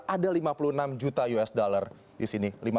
ada lima puluh enam juta usd disini